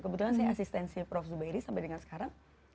kebetulan saya asistensi prof zubairi sampai dengan sekarang